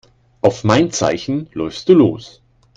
Auf mein Zeichen läufst du los.